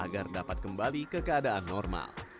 agar dapat kembali ke keadaan normal